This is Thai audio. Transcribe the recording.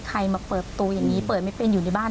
ใครมาเปิดตัวอย่างนี้เปิดไม่เป็นอยู่ในบ้าน